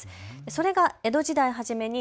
それが江戸時代初めに